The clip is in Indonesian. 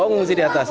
oh mengungsi di atas